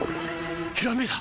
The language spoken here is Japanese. ひらめいた！